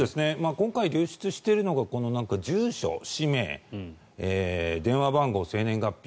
今回、流出しているのが住所、氏名電話番号、生年月日。